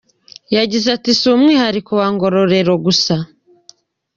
Yagize ati "Si umwihariko wa Ngororero gusa.